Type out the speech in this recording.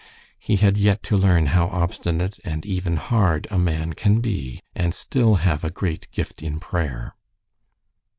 He had yet to learn how obstinate and even hard a man can be and still have a great "gift in prayer."